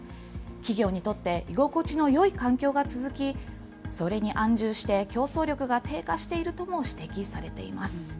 企業にとって居心地のよい環境が続き、それに安住して、競争力が低下しているとも指摘されています。